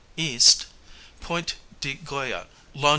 east, Point de Guia, long.